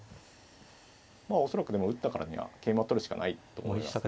恐らくでも打ったからには桂馬取るしかないと思いますね。